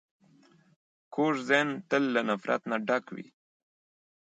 کوږ ذهن تل له نفرت نه ډک وي